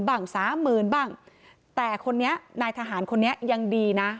๒๐๐๐บ้าง๓๐๐๐บ้างแต่คนนี้นายทหารคนนี้ยังดีนะ